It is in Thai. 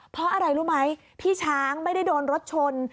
เพราะอะไรรู้ไหมพี่ช้างไม่ได้โดนรถชน